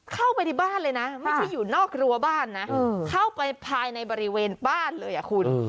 เข้าไปในบ้านเลยนะไม่ใช่อยู่นอกรัวบ้านนะเข้าไปภายในบริเวณบ้านเลยอ่ะคุณ